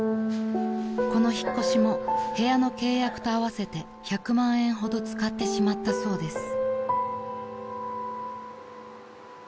［この引っ越しも部屋の契約と合わせて１００万円ほど使ってしまったそうです］